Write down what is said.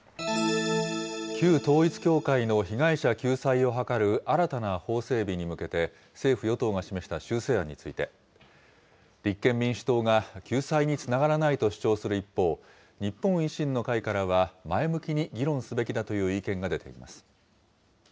旧統一教会の被害者救済を図る新たな法整備に向けて、政府・与党が示した修正案について、立憲民主党が救済につながらないと主張する一方、日本維新の会からは前向きに議論すべきだという意見が出ています。